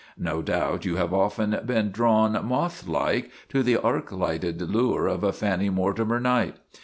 No doubt you have often been drawn moth like to the arc lighted lure of a Fanny Mortimer night.